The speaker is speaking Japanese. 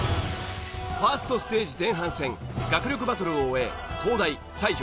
ファーストステージ前半戦学力バトルを終え東大才女